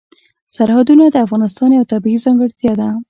سرحدونه د افغانستان یوه طبیعي ځانګړتیا ده.